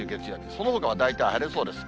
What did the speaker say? そのほかは大体晴れそうです。